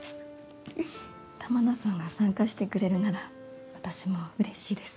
玉名さんが参加してくれるなら私も嬉しいです。